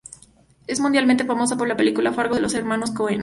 Es mundialmente famosa por la película "Fargo" de los Hermanos Coen.